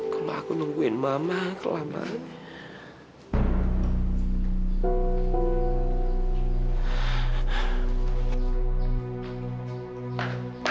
kalau aku nungguin mama kelamaan